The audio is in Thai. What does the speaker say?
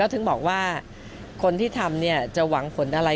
นะคะเป็นควานคิดที่เร็วมากนะคะไปอย่างงามมาว่ากล้นมาฟาล